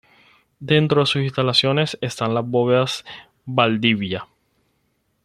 Dentro de sus instalaciones están las Bodegas Valdivia.